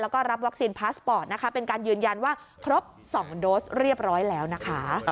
แล้วก็รับวัคซีนพาสปอร์ตนะคะเป็นการยืนยันว่าครบ๒โดสเรียบร้อยแล้วนะคะ